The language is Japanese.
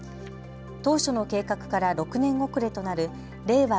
当初の計画から６年遅れとなる令和